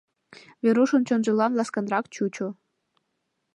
Верушын чонжылан ласканрак чучо.